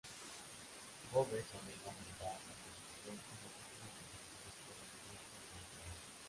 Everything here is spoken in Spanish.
Boves ordeno asaltar la posición y los últimos defensores fueron muertos sin piedad.